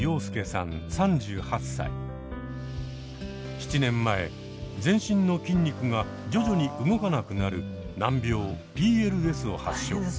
７年前全身の筋肉が徐々に動かなくなる難病ＰＬＳを発症。